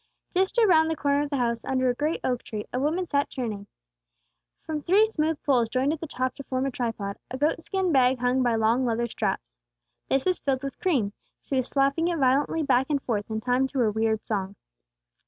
Just around the corner of the house, under a great oak tree, a woman sat churning. From three smooth poles joined at the top to form a tripod, a goat skin bag hung by long leather straps. This was filled with cream; she was slapping it violently back and forth in time to her weird song.